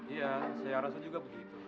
iya saya rasa juga begitu